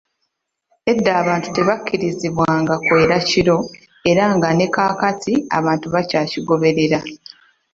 Edda abantu tebakkirizibwanga kwera kiro era nga ne kati abantu bakyakigoberera.